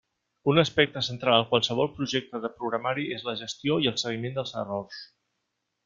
Un aspecte central en qualsevol projecte de programari és la gestió i el seguiment dels errors.